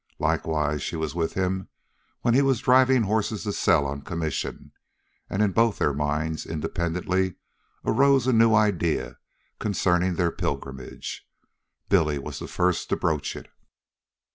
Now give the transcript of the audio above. Likewise she was with him when he was driving horses to sell on commission; and in both their minds, independently, arose a new idea concerning their pilgrimage. Billy was the first to broach it.